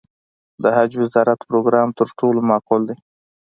د حج وزارت پروګرام تر ټولو معقول دی.